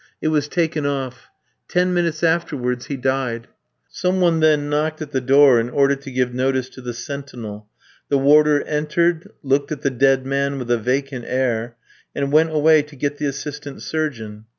It was taken off. Ten minutes afterwards, he died. Some one then knocked at the door in order to give notice to the sentinel; the warder entered, looked at the dead man with a vacant air, and went away to get the assistant surgeon.